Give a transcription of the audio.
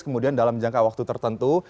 kemudian dalam jangka waktu tertentu